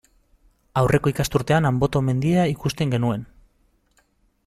Aurreko ikasturtean Anboto mendia ikusten genuen.